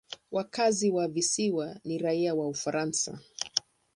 Wakazi wa visiwa ni raia wa Ufaransa.